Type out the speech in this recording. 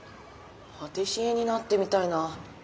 パティシエになってみたいな。